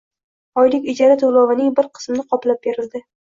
Oylik ijara to‘lovining bir qismini qoplab berildi.